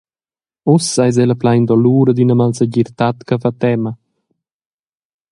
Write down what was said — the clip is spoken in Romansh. Uss eis ella plein dolur ed ina malsegirtad che fa tema.